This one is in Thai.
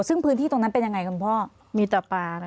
ซึ่งพื้นที่ตรงนั้นเป็นยังไงคุณพ่อ